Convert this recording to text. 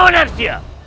aku akan membalas mereka